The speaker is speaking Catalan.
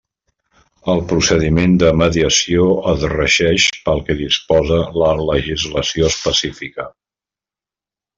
El procediment de mediació es regeix pel que disposa la legislació específica.